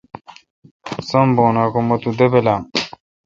سم بون اں کہ مہ تو دبلام